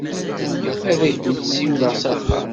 Ad ak-n-siwleɣ s axxam.